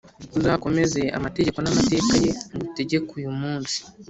Uzakomeze amategeko n’amateka ye ngutegeka uyu munsi,